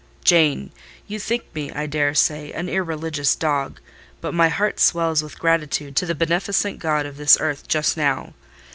"Jane! you think me, I daresay, an irreligious dog: but my heart swells with gratitude to the beneficent God of this earth just now.